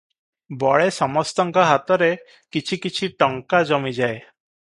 ବଳେ ସମସ୍ତଙ୍କ ହାତରେ କିଛି କିଛି ଟଙ୍କା ଜମିଯାଏ ।